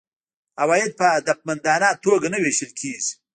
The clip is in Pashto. عواید په هدفمندانه توګه نه وېشل کیږي.